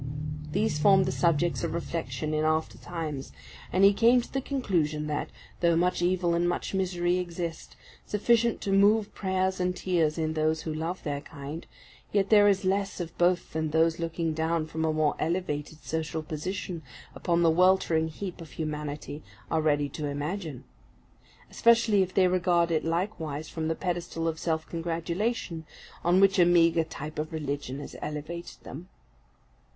These formed the subjects of reflection in after times; and he came to the conclusion that, though much evil and much misery exist, sufficient to move prayers and tears in those who love their kind, yet there is less of both than those looking down from a more elevated social position upon the weltering heap of humanity, are ready to imagine; especially if they regard it likewise from the pedestal of self congratulation on which a meagre type of religion has elevated them.